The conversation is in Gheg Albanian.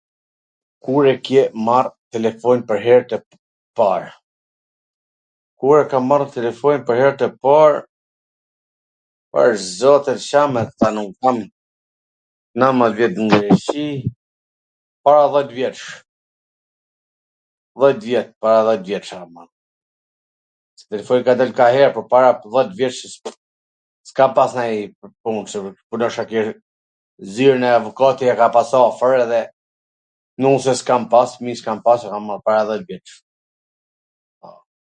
Kur e ke marr telefonin pwr her tw par? Kur e kam marr telefonin pwr her tw par, pash zotin Ca me t than un, kam nandmwdhjet vjet n Greqi, para dhet vjetsh, dhet vjet, para dhet vjetsh e kam marr, s besoj ka qwn ka her, po para dhet vjetsh, s kam pas nanj pun kshtu, punojash ke ... zyrwn avokati e ka pas afwr edhe nuse s kam pas, fmij s kam pas, e kam marr para dhet vjetsh.